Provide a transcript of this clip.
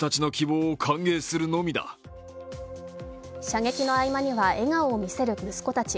射撃の合間には笑顔を見せる息子たち。